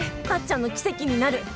タッちゃんの奇跡になる。